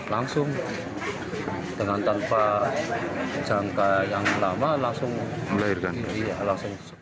langsung dengan tanpa jangka yang lama langsung melahirkan